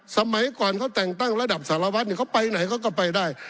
สมัยก่อนเขาแต่งตั้งระดับสารวัตรเขาไปไหนเขาก็ไปได้